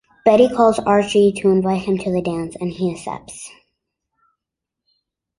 Betty calls Archie to invite him to the dance, and he accepts.